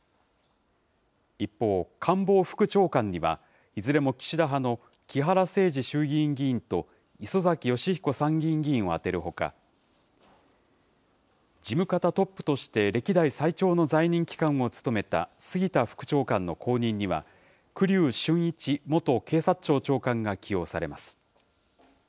一方、官房副長官には、いずれも岸田派の木原誠二衆議院議員と磯崎仁彦参議院議員を充てるほか、事務方トップとして歴代最長の在任期間を務めた杉田副長官の後任には、栗生俊一元警察庁長官が起用されます。